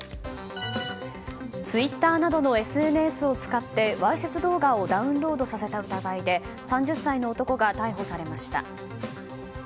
ツイッターなどのＳＮＳを使ってわいせつ動画をダウンロードさせた疑いで３０歳の男が逮捕されました。